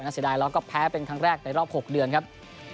แล้วก็แพ้เป็นทั้งแรกในรอบ๖เดือนครับ